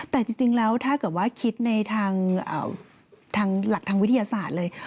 แต่จริงแล้วถ้าเกิดว่าคิดในทางหลักทางวิทยาศาสตร์เลย